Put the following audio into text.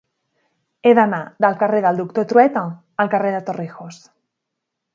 He d'anar del carrer del Doctor Trueta al carrer de Torrijos.